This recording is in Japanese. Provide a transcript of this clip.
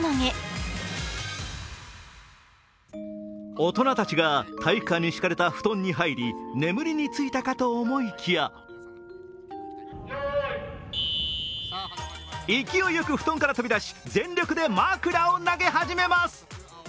大人たちが体育館に敷かれた布団に入り眠りについたかと思いきや勢いよく布団から飛び出し全力で枕を投げ始めます。